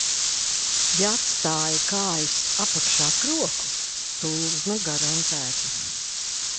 "Ja atstāja kājas apakšā "kroku", tulzna garantēta."